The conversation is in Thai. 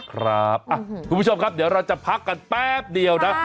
คุณผู้ชมครับเดี๋ยวเราจะพักกันแป๊บเดียวนะ